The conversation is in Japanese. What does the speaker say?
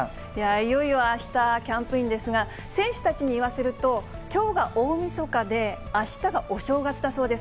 いよいよあした、キャンプインですが、選手たちに言わせると、きょうが大みそかで、あしたがお正月だそうです。